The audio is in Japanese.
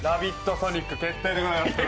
ソニック決定でございます。